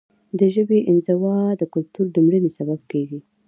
د ژبې انزوا د کلتور د مړینې سبب کیږي.